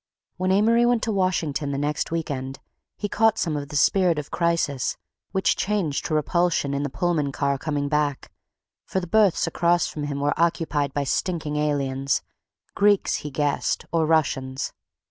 When Amory went to Washington the next week end he caught some of the spirit of crisis which changed to repulsion in the Pullman car coming back, for the berths across from him were occupied by stinking aliens—Greeks, he guessed, or Russians.